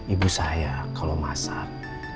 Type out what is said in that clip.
ibu saya kalau masak